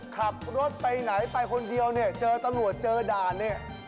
ขับรถไปไหนไปคนเดียวเนี่ยเจอตำรวจเจอด่านเนี่ย